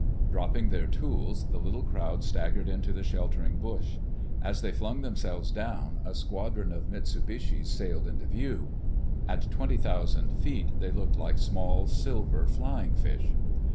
Dropping their tools, the little crowd staggered into the sheltering bush. As they flung themselves down, a squadron of Mitsubishis sailed into view. At twenty thousand feet, they looked like small silver flying fish.